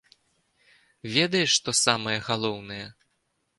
Ведаеш, што самае галоўнае?